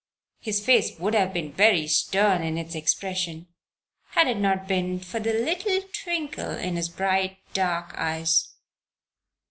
His face would have been very stern in its expression had it not been for the little twinkle in his bright, dark eyes.